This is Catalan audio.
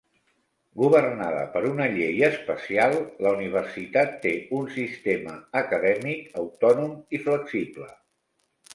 Governada per una llei especial, la universitat té un sistema acadèmic autònom i flexible.